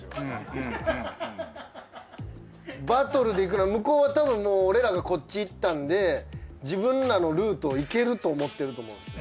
バトルでいくなら向こうはたぶんもう俺らがこっち行ったんで自分らのルートをいけると思ってると思うんです。